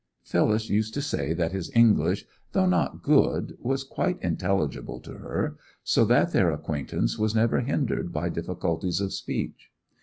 Phyllis used to say that his English, though not good, was quite intelligible to her, so that their acquaintance was never hindered by difficulties of speech.